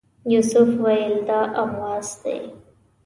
یوسف ویل دا امواس دی.